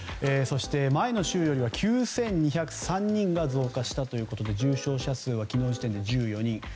前の週より９２０３人増加したということで重症者数は昨日の時点で１４人。